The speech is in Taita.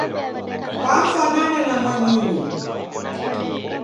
Kwafanana na mwanyinyu